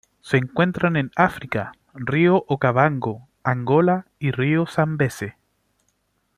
Se encuentran en África: río Okavango, Angola y río Zambeze.